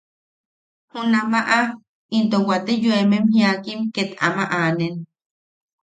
Junamaʼa into wate yoemem jiakim ket ama anen.